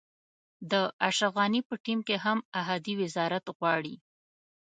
د اشرف غني په ټیم کې هم احدي وزارت غواړي.